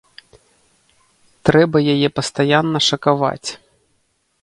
Трэба яе пастаянна шакаваць.